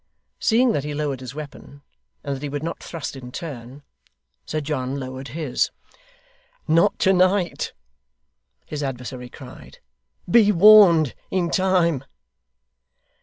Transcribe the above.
Seeing that he lowered his weapon, and that he would not thrust in turn, Sir John lowered his. 'Not to night!' his adversary cried. 'Be warned in time!